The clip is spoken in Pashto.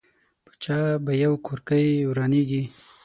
په چا به یو کورګۍ ورانېږي.